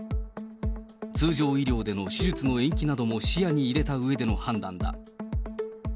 通常医療での手術の延期なども視野に入れたうえでの判断だ。